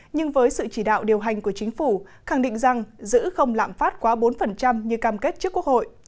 nhưng với sự chỉ đạo điều hành của chính phủ khẳng định rằng giữ không lạm phát quá bốn như cam kết trước quốc hội